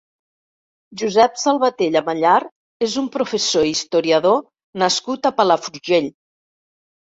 Josep Salvatella Mallart és un professor i historiador nascut a Palafrugell.